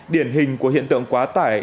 điển hình của hiện tượng quá tải